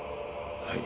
はい。